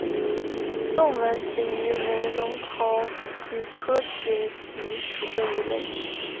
纵纹锦鱼为隆头鱼科锦鱼属的鱼类。